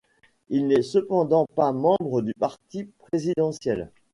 Il n'est cependant pas membre du parti présidentiel.